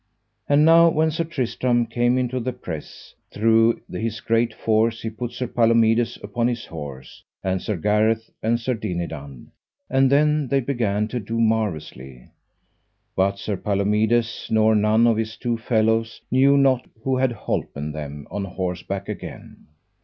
And now when Sir Tristram came into the press, through his great force he put Sir Palomides upon his horse, and Sir Gareth, and Sir Dinadan, and then they began to do marvellously; but Sir Palomides nor none of his two fellows knew not who had holpen them on horseback again.